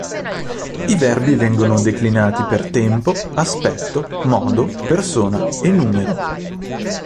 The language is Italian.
I Verbi vengono declinati per tempo, aspetto, modo, persona e numero.